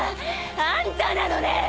あんたなのね！